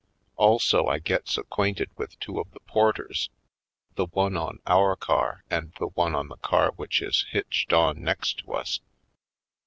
Also I gets acquainted v/ith two of the porters, the one on our car and the one on the car which is hitched on next to us.